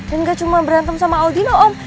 dan nggak cuma berantem sama aldino om